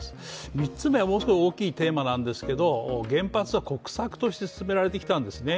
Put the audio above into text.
３つ目、ものすごく大きいテーマなんですけど原発は国策として進められてきたんですね。